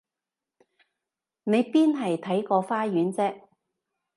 你邊係睇個花園啫？